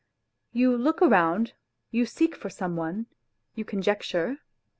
You look round, you seek for some one, you conjecture.